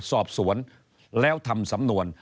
สอบสวนแล้วทำสำนวน